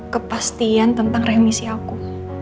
kepastian tentang remisi aku